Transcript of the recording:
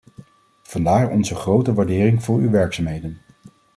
Vandaar onze grote waardering voor uw werkzaamheden.